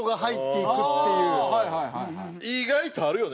意外とあるよね